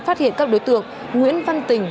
phát hiện các đối tượng nguyễn văn tình